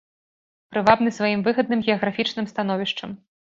Прывабны сваім выгадным геаграфічным становішчам.